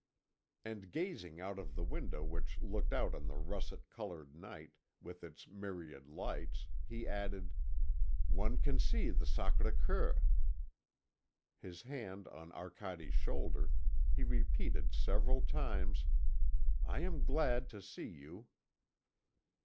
And gazing out of the window which looked out on the russet coloured night, with its myriad lights, he added, "One can see the Sacré Coeur." His hand on Arcade's shoulder, he repeated several times, "I am glad to see you."